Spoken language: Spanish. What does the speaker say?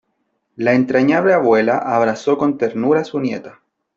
La entrañable abuela abrazó con ternura a su nieta.